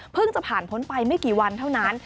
จะผ่านพ้นไปไม่กี่วันเท่านั้น